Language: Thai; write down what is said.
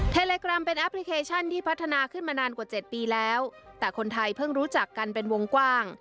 เลกรรมเป็นแอปพลิเคชันที่พัฒนาขึ้นมานานกว่าเจ็ดปีแล้วแต่คนไทยเพิ่งรู้จักกันเป็นวงกว้าง